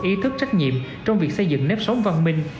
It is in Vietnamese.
ý thức trách nhiệm trong việc xây dựng nếp sống văn minh